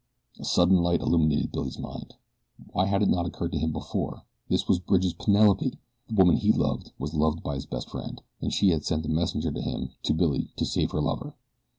A sudden light illumined Billy's mind. Why had it not occurred to him before? This was Bridge's Penelope! The woman he loved was loved by his best friend. And she had sent a messenger to him, to Billy, to save her lover.